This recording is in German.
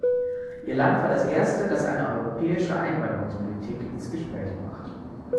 Ihr Land war das erste, das eine europäische Einwanderungspolitik ins Gespräch brachte.